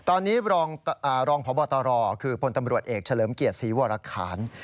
ตอนนี้รองพบตรคือพลตำรวจเอกเฉลิมเกียรติศรีวรคาร